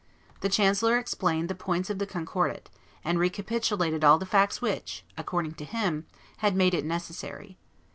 The chancellor explained the points of the Concordat, and recapitulated all the facts which, according to him, had made it necessary.